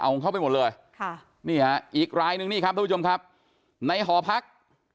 เอาของเขาไปหมดเลยค่ะนี่ฮะอีกรายนึงนี่ครับทุกผู้ชมครับในหอพัก